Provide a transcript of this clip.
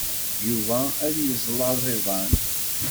Yuba ad yeslaẓ iḍan.